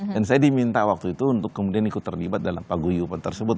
dan saya diminta waktu itu untuk ikut terlibat dalam pagu yupan tersebut